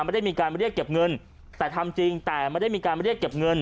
ไม่ได้มีการเรียกเก็บเงินแต่ทำจริงแต่ไม่ได้มีการเรียกเก็บเงิน